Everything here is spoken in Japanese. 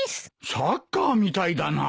サッカーみたいだな。